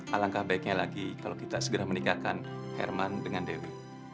alangkah baiknya lagi kalau kita segera menikahkan herman dengan dewi